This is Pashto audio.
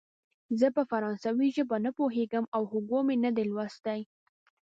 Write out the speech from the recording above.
زه پر فرانسوي ژبه نه پوهېږم او هوګو مې نه دی لوستی.